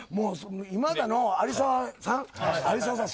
今田の有沢さん